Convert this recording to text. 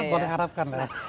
kita boleh harapkan lah